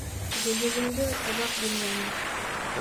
Гөлйөҙөмдө оҙаҡ димләне.